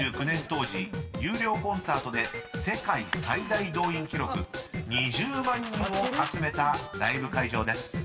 ［１９９９年当時有料コンサートで世界最大動員記録２０万人を集めたライブ会場です］